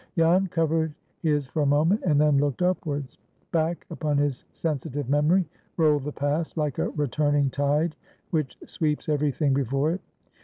Jan covered his for a moment, and then looked upwards. Back upon his sensitive memory rolled the past, like a returning tide which sweeps every thing before it.